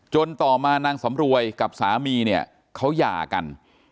ต่อมานางสำรวยกับสามีเนี่ยเขาหย่ากัน